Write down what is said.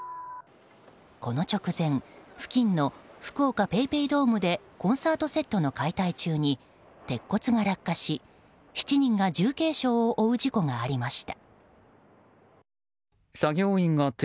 この直前、付近の福岡ＰａｙＰａｙドームでコンサートセットの解体中に鉄骨が落下し７人が重軽傷を負う事故がありました。